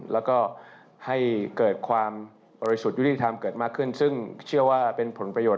แล้วก็ให้เกิดความโรยสุทธิ์ที่ทำเกิดมากขึ้น